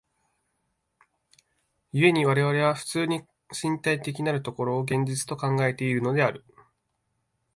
故に我々は普通に身体的なる所を現実と考えているのである。